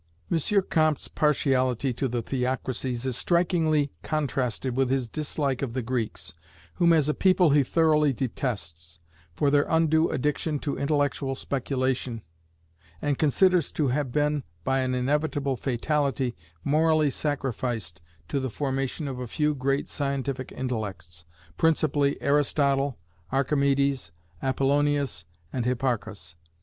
M. Comte's partiality to the theocracies is strikingly contrasted with his dislike of the Greeks, whom as a people he thoroughly detests, for their undue addiction to intellectual speculation, and considers to have been, by an inevitable fatality, morally sacrificed to the formation of a few great scientific intellects, principally Aristotle, Archimedes, Apollonius, and Hipparchus.